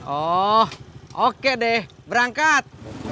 oh oke deh berangkat